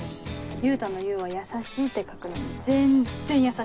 優太の「優」は「優しい」って書くのに全然優しくない。